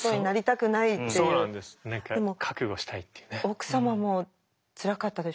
奥様もつらかったでしょうね。